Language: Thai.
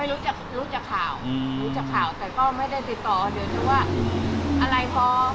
รู้จักรู้จากข่าวรู้จักข่าวแต่ก็ไม่ได้ติดต่อเดี๋ยวจะว่าอะไรพอ